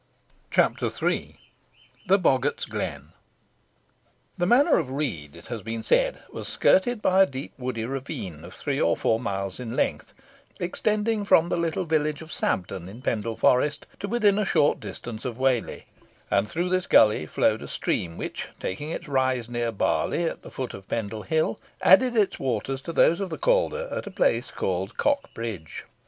CHAPTER III. THE BOGGART'S GLEN. The manor of Read, it has been said, was skirted by a deep woody ravine of three or four miles in length, extending from the little village of Sabden, in Pendle Forest, to within a short distance of Whalley; and through this gully flowed a stream which, taking its rise near Barley, at the foot of Pendle Hill, added its waters to those of the Calder at a place called Cock Bridge.